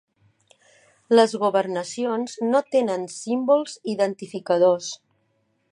Les governacions no tenen símbols identificadors.